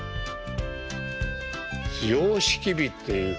様式美というか。